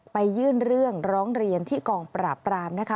ไปยื่นเรื่องร้องเรียนที่กองปราบปรามนะคะ